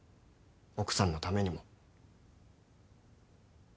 奥さんのためにも。